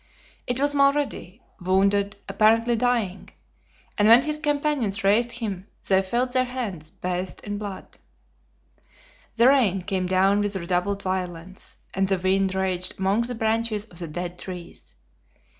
It was Mulrady, wounded, apparently dying; and when his companions raised him they felt their hands bathed in blood. The rain came down with redoubled violence, and the wind raged among the branches of the dead trees.